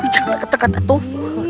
jangan dekat dekat atuh